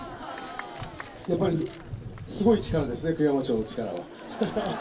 やっぱりすごい力ですね、栗山町の力は。